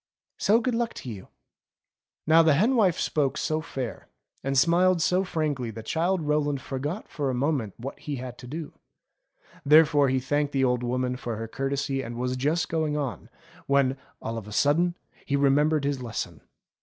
So good luck to you !'* Now the hen wife spoke so fair, and smiled so frank that Childe Rowland forgot for a moment what he had to do. Therefore he thanked the old woman for her courtesy and was just going on, when, all of a sudden, he remembered his lesson.